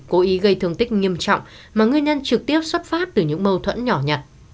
cố ý gây thương tích nghiêm trọng mà nguyên nhân trực tiếp xuất phát từ những mâu thuẫn nhỏ nhặt